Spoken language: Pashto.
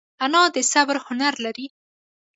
انا د صبر هنر لري